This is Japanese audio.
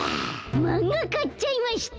マンガかっちゃいました。